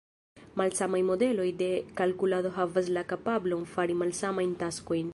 Malsamaj modeloj de kalkulado havas la kapablon fari malsamajn taskojn.